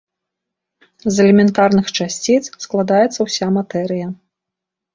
З элементарных часціц складаецца ўся матэрыя.